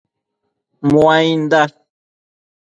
Muainda